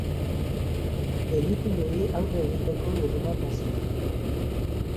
Delituei aurre egiteko irmotasuna.